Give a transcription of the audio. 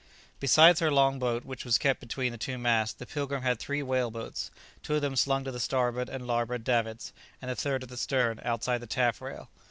Besides her long boat, which was kept between the two masts, the "Pilgrim" had three whale boats, two of them slung to the starboard and larboard davits, and the third at the stern, outside the taffrail.